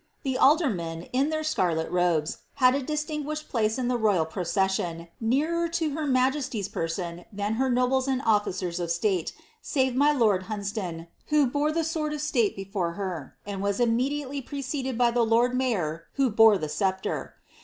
The aldermen, in their scarlet robes, had a distinguished place in the royal procession, nearer to her majesty's person than her nobles and officers of state, save my lord Hunsdon, who bore the sword of slate before her, and was imras I. Nioolai, VOL L, p. 189. BI^ItABSTH. im dntely preceded by the lord mayor, who bore the sceptre.